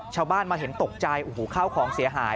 ชาวบ้านมาเห็นตกใจโอ้โหข้าวของเสียหาย